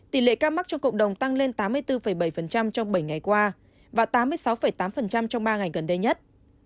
tỷ lệ ca mắc trong cộng đồng tăng lên tám mươi bốn bảy trong bảy ngày qua và tám mươi sáu tám trong ba ngày gần đây nhất